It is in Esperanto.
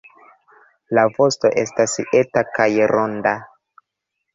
La vosto estas eta kaj ronda.